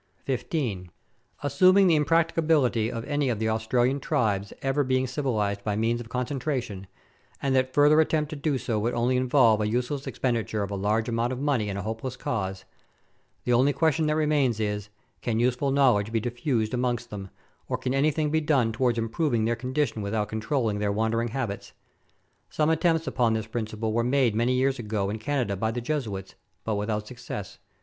15. Assuming the impracticability of any of the Australian tribes ever being civilized by means of concentration, and that further attempt to do so would only involve a useless expenditure of a large amount of money in a hopeless cause, the only question that remains is can useful knowledge be diffused amongst them, or can anything be done towards improving their condition with out controlling their wandering habits ? Some attempts upon this principle were made many years ago in Canada by the Jesuits, but without success.